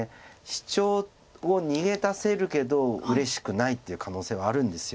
シチョウを逃げ出せるけどうれしくないっていう可能性はあるんです。